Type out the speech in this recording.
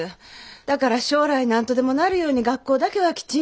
だから将来なんとでもなるように学校だけはきちんと。